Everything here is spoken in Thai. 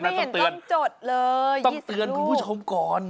ไม่เห็นต้องจดเลย๒๐ลูกต้องเตือนคุณผู้ชมก่อน